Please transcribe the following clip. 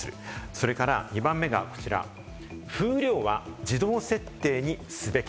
それから２番目がこちら、風量は自動設定にすべき。